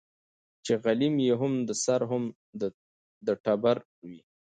چي غلیم یې هم د سر هم د ټبر وي